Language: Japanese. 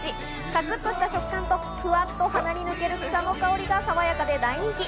さくっとした食感と、ふわっと鼻に抜ける草の香りが爽やかで大人気。